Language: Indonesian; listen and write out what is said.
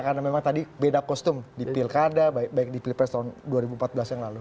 karena memang tadi beda kostum di pilkada baik di pilpres tahun dua ribu empat belas yang lalu